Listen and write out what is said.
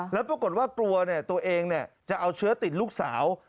แล้วปรากฏว่ากลัวตัวเองจะเอาเชื้อติดลูกสาว